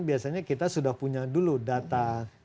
biasanya kita sudah punya dulu data